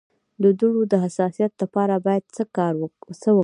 د دوړو د حساسیت لپاره باید څه وکاروم؟